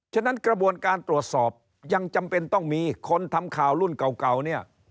ฉะนั้นกระบวนการตรวจสอบยังจำเป็นต้องมีคนทำข่าวรุ่นเก่าเนี่ย